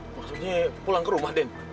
maksudnya pulang ke rumah den